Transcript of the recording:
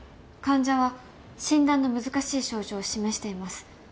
患者は診断の難しい症状を示しています。